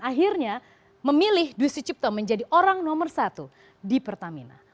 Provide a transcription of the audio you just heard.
akhirnya memilih dwi sucipto menjadi orang nomor satu di pertamina